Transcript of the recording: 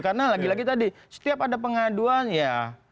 karena lagi lagi tadi setiap ada pengaduan ya